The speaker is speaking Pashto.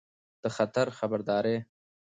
د خطر خبرداری